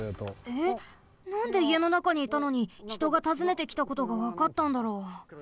えっなんでいえのなかにいたのにひとがたずねてきたことがわかったんだろう？